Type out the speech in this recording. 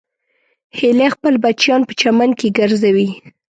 هیلۍ خپل بچیان په چمن کې ګرځوي